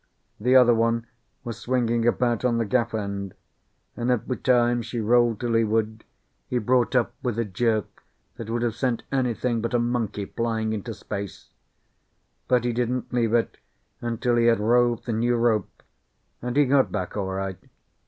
The other one was swinging about on the gaff end, and every time she rolled to leeward, he brought up with a jerk that would have sent anything but a monkey flying into space. But he didn't leave it until he had rove the new rope, and he got back all right.